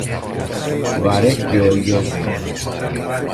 Βαρέθηκε ο γιος μου